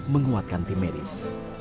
menguatkan tim medis